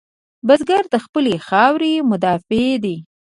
بزګر د خپلې خاورې مدافع دی